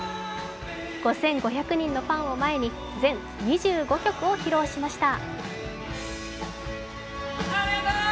５５００人のファンを前に、全２５曲を披露しました。